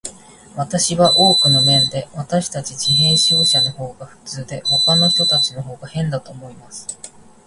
私は、多くの面で、私たち自閉症者のほうが普通で、ほかの人たちのほうが変だと思います。